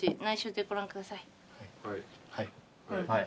はい。